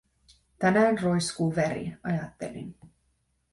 Tänään roiskuu veri, ajattelin.